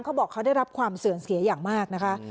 เขาบอกเขาได้รับความเสื่อมเสียอย่างมากนะคะ